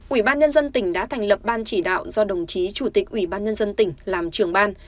ủy ban nhân dân tỉnh đã thành lập ban chỉ đạo do đồng chí chủ tịch ủy ban nhân dân tỉnh làm trưởng ban